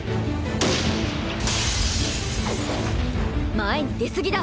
前に出過ぎだ。